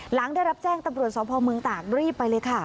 หลังได้รับแจ้งตำรวจสพเมืองตากรีบไปเลยค่ะ